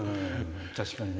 確かにね。